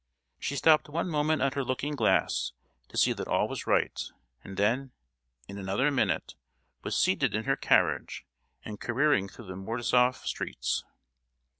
She stopped one moment at her looking glass to see that all was right, and then, in another minute, was seated in her carriage and careering through the Mordasoff streets.